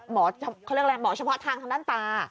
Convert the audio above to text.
หมอชะพะทางด้านตา